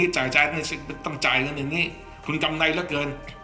ที่จ่ายจ่ายต้องจ่ายอย่างนี้คุณกำไรเยอะเกิน